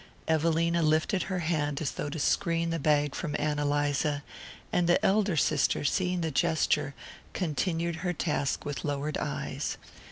Evelina lifted her hand as though to screen the bag from Ann Eliza; and the elder sister, seeing the gesture, continued her task with lowered eyes.